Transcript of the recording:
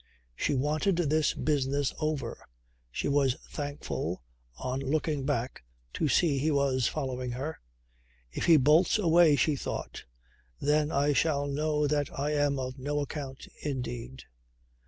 She wanted this business over. She was thankful on looking back to see he was following her. "If he bolts away," she thought, "then I shall know that I am of no account indeed!